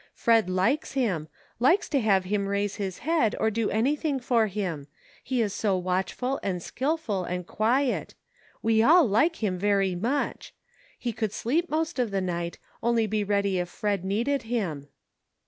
Fred likes him — likes to have him raise his head, or do anything for him ; he is so watch* ful, and skillful, and quiet ; we all like him very much ; he could sleep most of the night, only be ready if Fred needed him."